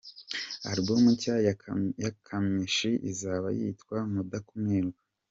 Album nshya ya Kamichi izaba yitwa Mudakumirwa.